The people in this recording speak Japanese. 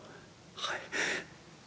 「はい。